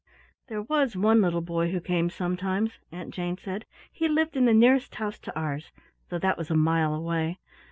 "There was one little boy who came sometimes," Aunt Jane said. "He lived in the nearest house to ours, though that was a mile away.